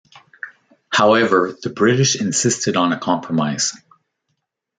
However, the British insisted on a compromise.